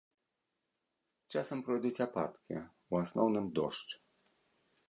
Часам пройдуць ападкі, у асноўным дождж.